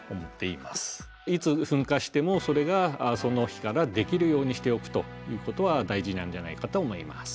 いつ噴火してもそれがその日からできるようにしておくということは大事なんじゃないかと思います。